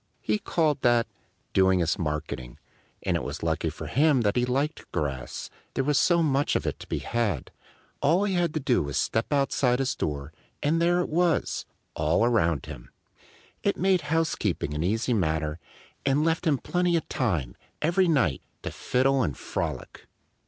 He called that "doing his marketing." And it was lucky for him that he liked grass, there was so much of it to be had. All he had to do was to step outside his door; and there it was, all around him! It made housekeeping an easy matter and left him plenty of time, every night, to fiddle and frolic.